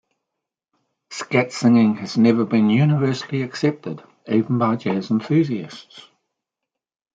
Scat singing has never been universally accepted, even by jazz enthusiasts.